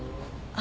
あ。